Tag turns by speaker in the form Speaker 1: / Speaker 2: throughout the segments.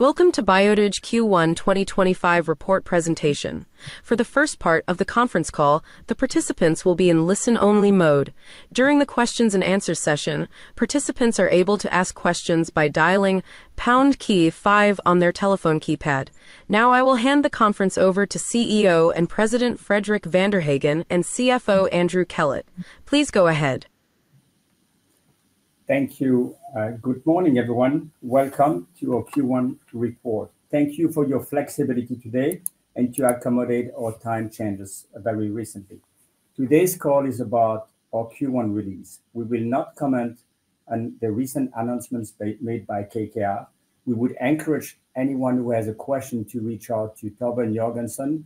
Speaker 1: Welcome to Biotage Q1 2025 Report presentation. For the first part of the conference call, the participants will be in listen-only mode. During the Q&A session, participants are able to ask questions by dialing #5 on their telephone keypad. Now, I will hand the conference over to CEO and President Frederic Vanderhaegen and CFO Andrew Kellett. Please go ahead.
Speaker 2: Thank you. Good morning, everyone. Welcome to our Q1 report. Thank you for your flexibility today and to accommodate our time changes very recently. Today's call is about our Q1 release. We will not comment on the recent announcements made by KKR. We would encourage anyone who has a question to reach out to Torben Jorgensen,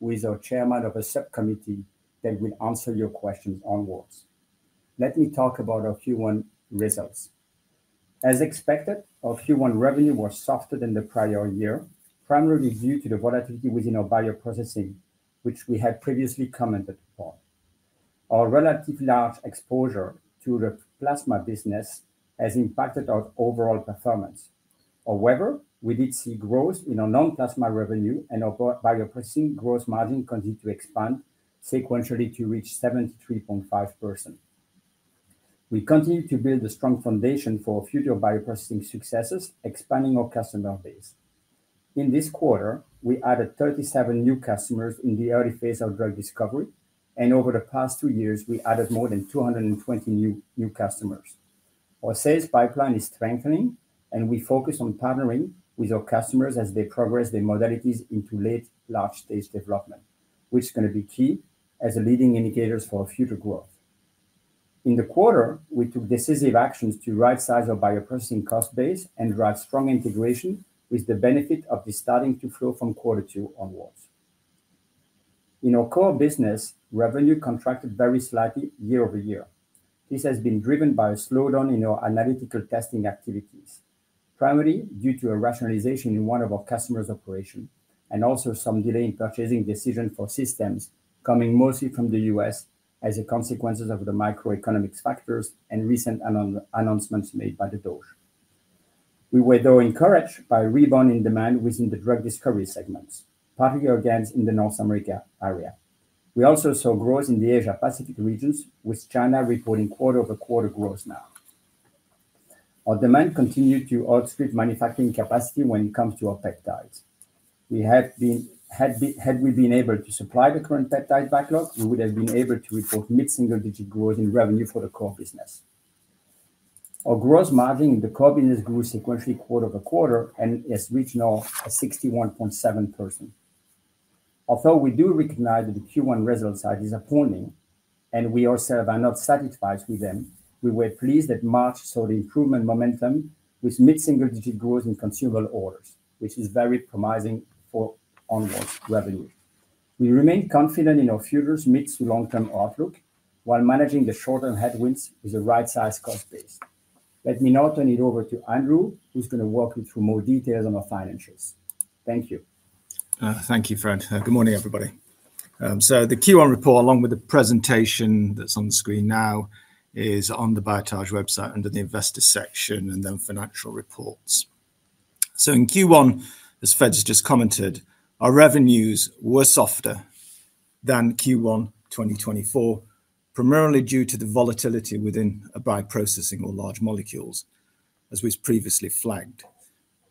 Speaker 2: who is our Chairman of a subcommittee that will answer your questions onwards. Let me talk about our Q1 results. As expected, our Q1 revenue was softer than the prior year, primarily due to the volatility within our bioprocessing, which we had previously commented upon. Our relatively large exposure to the plasma business has impacted our overall performance. However, we did see growth in our non-plasma revenue, and our bioprocessing gross margin continued to expand, sequentially to reach 73.5%. We continue to build a strong foundation for future bioprocessing successes, expanding our customer base. In this quarter, we added 37 new customers in the early phase of drug discovery, and over the past two years, we added more than 220 new customers. Our sales pipeline is strengthening, and we focus on partnering with our customers as they progress their modalities into late-large stage development, which is going to be key as a leading indicator for future growth. In the quarter, we took decisive actions to right-size our bioprocessing cost base and drive strong integration, with the benefit of this starting to flow from quarter two onwards. In our core business, revenue contracted very slightly year over year. This has been driven by a slowdown in our analytical testing activities, primarily due to a rationalization in one of our customers' operations and also some delay in purchasing decisions for systems coming mostly from the U.S. As a consequence of the macroeconomic factors and recent announcements made by the KKR, we were though encouraged by a rebound in demand within the drug discovery segments, particularly again in the North America area. We also saw growth in the Asia-Pacific regions, with China reporting quarter-over-quarter growth now. Our demand continued to outstrip manufacturing capacity when it comes to our peptides. Had we been able to supply the current peptide backlog, we would have been able to report mid-single-digit growth in revenue for the core business. Our gross margin in the core business grew sequentially quarter-over-quarter and has reached now 61.7%. Although we do recognize that the Q1 results are disappointing and we ourselves are not satisfied with them, we were pleased that March saw the improvement momentum with mid-single-digit growth in consumable orders, which is very promising for onwards revenue. We remain confident in our future's mid to long-term outlook while managing the short-term headwinds with a right-sized cost base. Let me now turn it over to Andrew, who's going to walk you through more details on our financials. Thank you.
Speaker 3: Thank you, Fred. Good morning, everybody. The Q1 report, along with the presentation that is on the screen now, is on the Biotage website under the Investor section and then Financial Reports. In Q1, as Fred has just commented, our revenues were softer than Q1 2024, primarily due to the volatility within bioprocessing or large molecules, as was previously flagged.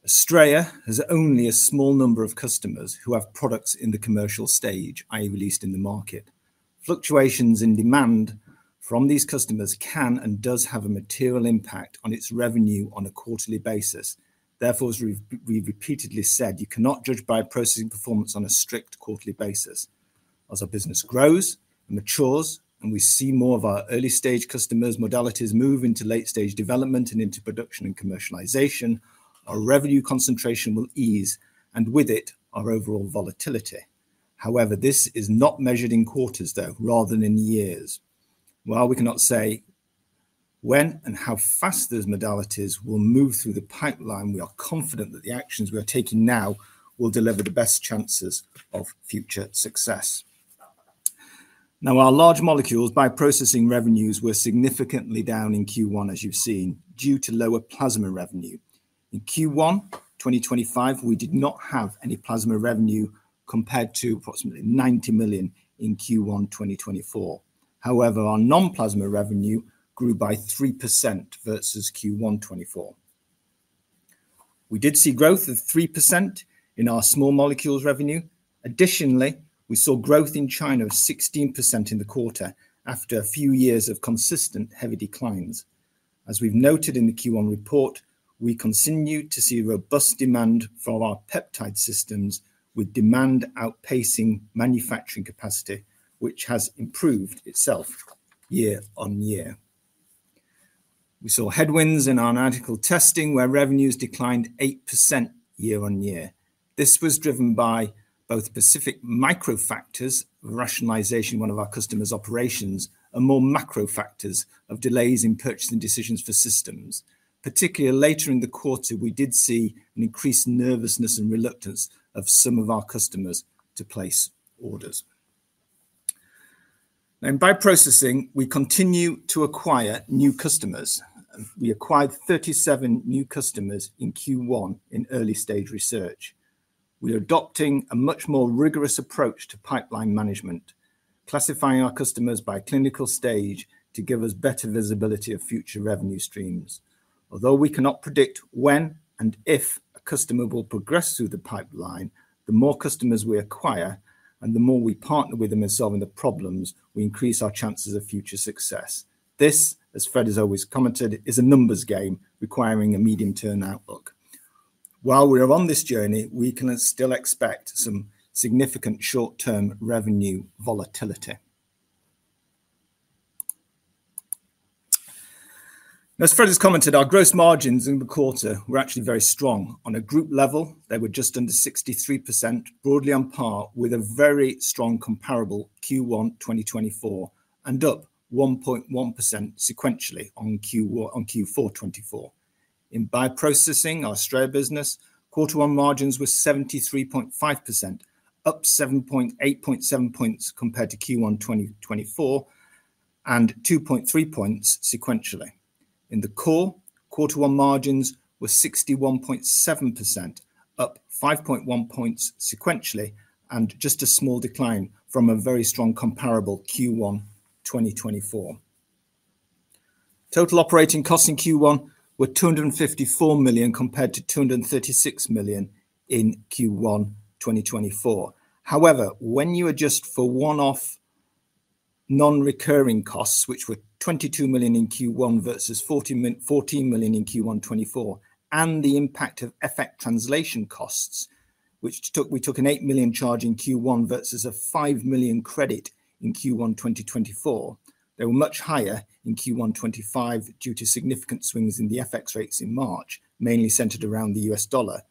Speaker 3: Astrea has only a small number of customers who have products in the commercial stage, i.e., released in the market. Fluctuations in demand from these customers can and does have a material impact on its revenue on a quarterly basis. Therefore, as we have repeatedly said, you cannot judge bioprocessing performance on a strict quarterly basis. As our business grows and matures and we see more of our early-stage customers' modalities move into late-stage development and into production and commercialization, our revenue concentration will ease, and with it, our overall volatility. However, this is not measured in quarters, rather than in years. While we cannot say when and how fast those modalities will move through the pipeline, we are confident that the actions we are taking now will deliver the best chances of future success. Now, our large molecules' bioprocessing revenues were significantly down in Q1, as you've seen, due to lower plasma revenue. In Q1 2025, we did not have any plasma revenue compared to approximately 90 million in Q1 2024. However, our non-plasma revenue grew by 3% versus Q1 2024. We did see growth of 3% in our small molecules' revenue. Additionally, we saw growth in China of 16% in the quarter after a few years of consistent heavy declines. As we've noted in the Q1 report, we continue to see robust demand for our peptide systems, with demand outpacing manufacturing capacity, which has improved itself year on year. We saw headwinds in our analytical testing, where revenues declined 8% year on year. This was driven by both specific micro factors of rationalization in one of our customers' operations and more macro factors of delays in purchasing decisions for systems. Particularly later in the quarter, we did see an increased nervousness and reluctance of some of our customers to place orders. In bioprocessing, we continue to acquire new customers. We acquired 37 new customers in Q1 in early-stage research. We are adopting a much more rigorous approach to pipeline management, classifying our customers by clinical stage to give us better visibility of future revenue streams. Although we cannot predict when and if a customer will progress through the pipeline, the more customers we acquire and the more we partner with them in solving the problems, we increase our chances of future success. This, as Fred has always commented, is a numbers game requiring a medium-term outlook. While we are on this journey, we can still expect some significant short-term revenue volatility. As Fred has commented, our gross margins in the quarter were actually very strong. On a group level, they were just under 63%, broadly on par with a very strong comparable Q1 2024, and up 1.1% sequentially on Q4 2024. In bioprocessing, our Australia business quarter one margins were 73.5%, up 7.87 percentage points compared to Q1 2024 and 2.3 percentage points sequentially. In the core, quarter one margins were 61.7%, up 5.1 percentage points sequentially, and just a small decline from a very strong comparable Q1 2024. Total operating costs in Q1 were 254 million compared to 236 million in Q1 2024. However, when you adjust for one-off non-recurring costs, which were 22 million in Q1 versus 14 million in Q1 2024, and the impact of FX translation costs, which we took an 8 million charge in Q1 versus an 5 million credit in Q1 2024, they were much higher in Q1 2025 due to significant swings in the FX rates in March, mainly centered around the US dollar.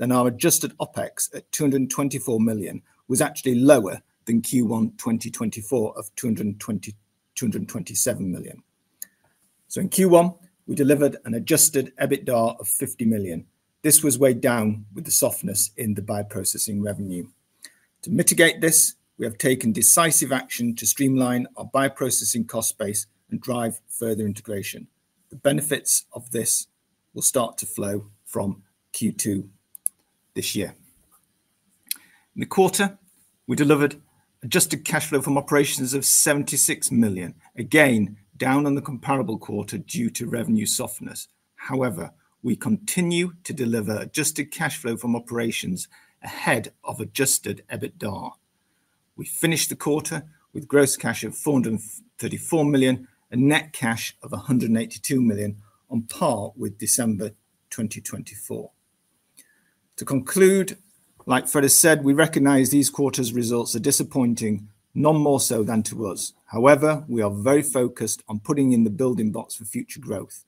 Speaker 3: Our adjusted OPEX at 224 million was actually lower than Q1 2024 of 227 million. In Q1, we delivered an adjusted EBITDA of 50 million. This was weighed down with the softness in the bioprocessing revenue. To mitigate this, we have taken decisive action to streamline our bioprocessing cost base and drive further integration. The benefits of this will start to flow from Q2 this year. In the quarter, we delivered adjusted cash flow from operations of 76 million, again down on the comparable quarter due to revenue softness. However, we continue to deliver adjusted cash flow from operations ahead of adjusted EBITDA. We finished the quarter with gross cash of 434 million and net cash of 182 million, on par with December 2024. To conclude, like Fred has said, we recognize these quarter's results are disappointing, none more so than to us. However, we are very focused on putting in the building blocks for future growth.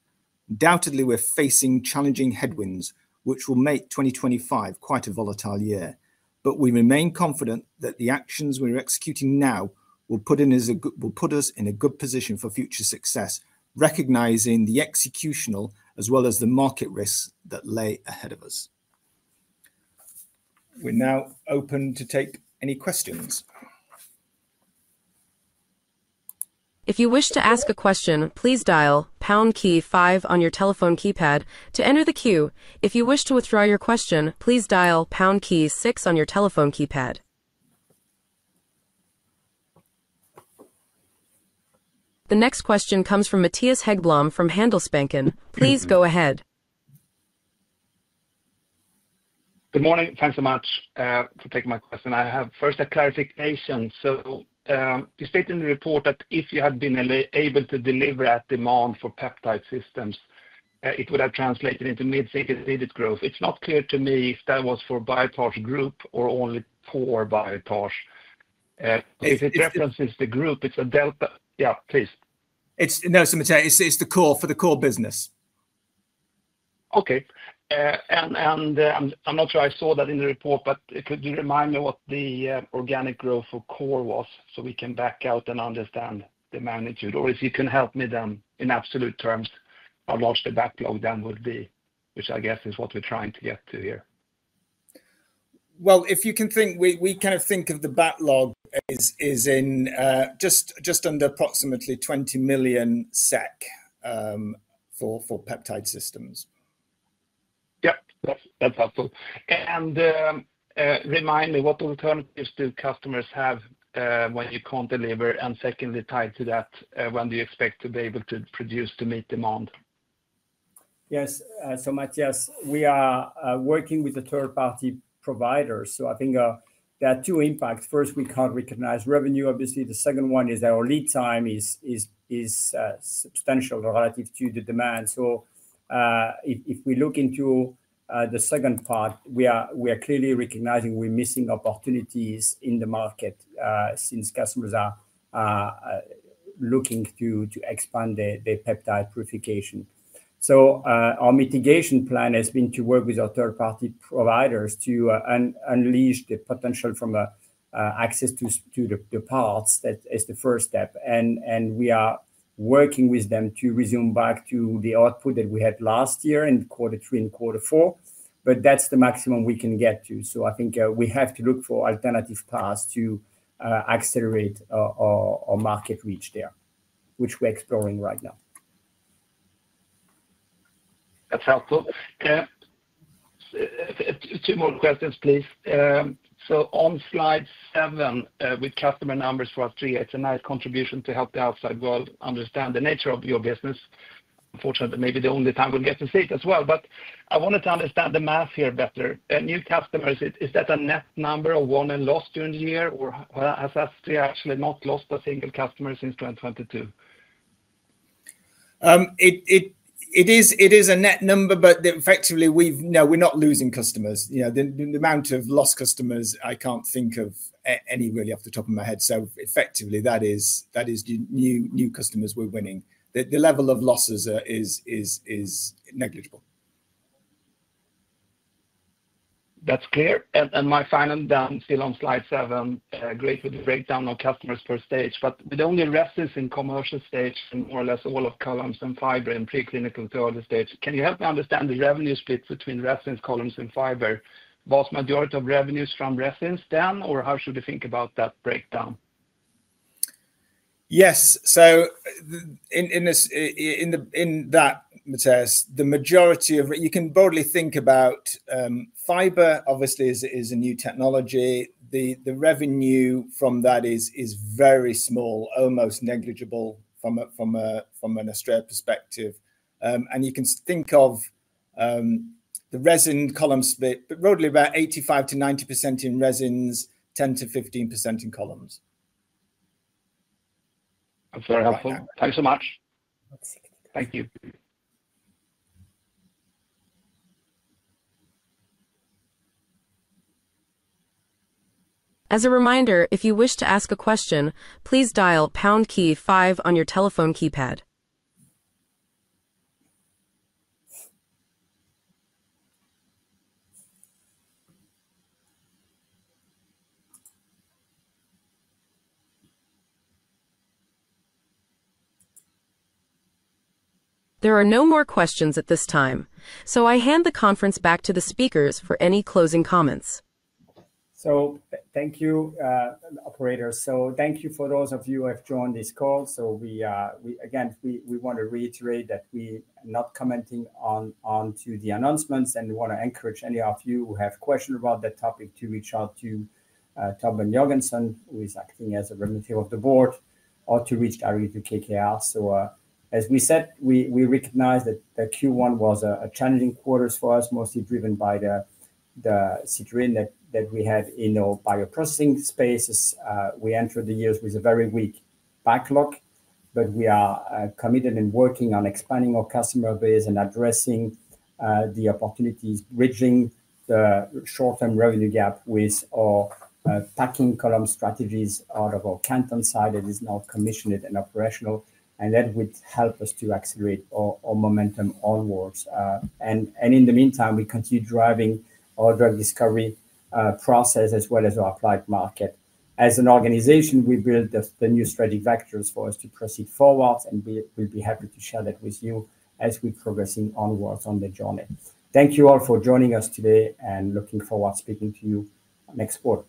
Speaker 3: Undoubtedly, we're facing challenging headwinds, which will make 2025 quite a volatile year. We remain confident that the actions we're executing now will put us in a good position for future success, recognizing the executional as well as the market risks that lay ahead of us. We're now open to take any questions.
Speaker 1: If you wish to ask a question, please dial #5 on your telephone keypad to enter the queue. If you wish to withdraw your question, please dial #6 on your telephone keypad. The next question comes from Mattias Häggblom from Handelsbanken. Please go ahead.
Speaker 4: Good morning. Thanks so much for taking my question. I have first a clarification. You stated in the report that if you had been able to deliver at demand for peptide systems, it would have translated into mid-cycle growth. It's not clear to me if that was for Biotage Group or only core Biotage. If it references the group, it's a delta. Yeah, please.
Speaker 3: No, it's for the core business.
Speaker 4: Okay. I'm not sure I saw that in the report, but could you remind me what the organic growth for core was so we can back out and understand the magnitude? If you can help me then in absolute terms, how large the backlog then would be, which I guess is what we're trying to get to here.
Speaker 3: If you can think, we kind of think of the backlog as just under approximately 20 million SEK for peptide systems.
Speaker 4: Yep, that's helpful. Remind me, what alternatives do customers have when you can't deliver? Secondly, tied to that, when do you expect to be able to produce to meet demand?
Speaker 2: Yes. Matthias, we are working with a third-party provider. I think there are two impacts. First, we can't recognize revenue, obviously. The second one is our lead time is substantial relative to the demand. If we look into the second part, we are clearly recognizing we're missing opportunities in the market since customers are looking to expand their peptide purification. Our mitigation plan has been to work with our third-party providers to unleash the potential from access to the parts. That is the first step. We are working with them to resume back to the output that we had last year in quarter three and quarter four. That is the maximum we can get to. I think we have to look for alternative paths to accelerate our market reach there, which we're exploring right now.
Speaker 4: That's helpful. Two more questions, please. On slide seven with customer numbers for R&D, it's a nice contribution to help the outside world understand the nature of your business. Unfortunately, maybe the only time we'll get to see it as well. I wanted to understand the math here better. New customers, is that a net number of won and lost during the year? Or has Astrea actually not lost a single customer since 2022?
Speaker 3: It is a net number, but effectively, no, we're not losing customers. The amount of lost customers, I can't think of any really off the top of my head. So effectively, that is new customers we're winning. The level of losses is negligible.
Speaker 4: That's clear. My final down, still on slide seven, great with the breakdown of customers per stage. With only resins in commercial stage and more or less all of columns and fiber in preclinical to other stages, can you help me understand the revenue split between resins, columns, and fiber? Was majority of revenues from resins then? How should we think about that breakdown?
Speaker 3: Yes. In that, Matthias, the majority of you can broadly think about fiber, obviously, is a new technology. The revenue from that is very small, almost negligible from an Astrea perspective. You can think of the resin column split, but broadly about 85%-90% in resins, 10%-15% in columns.
Speaker 4: That's very helpful. Thanks so much. Thank you.
Speaker 1: As a reminder, if you wish to ask a question, please dial #5 on your telephone keypad. There are no more questions at this time. I hand the conference back to the speakers for any closing comments.
Speaker 2: Thank you, operators. Thank you for those of you who have joined this call. Again, we want to reiterate that we are not commenting on the announcements and want to encourage any of you who have questions about the topic to reach out to Tomas Blomquist, who is acting as a representative of the board, or to reach directly to KKR. As we said, we recognize that Q1 was a challenging quarter for us, mostly driven by the Citrine that we had in our bioprocessing space. We entered the years with a very weak backlog, but we are committed and working on expanding our customer base and addressing the opportunities, bridging the short-term revenue gap with our packing column strategies out of our Canton site that is now commissioned and operational. That would help us to accelerate our momentum onwards. In the meantime, we continue driving our drug discovery process as well as our applied market. As an organization, we build the new strategic vectors for us to proceed forward, and we will be happy to share that with you as we are progressing onwards on the journey. Thank you all for joining us today and looking forward to speaking to you next quarter.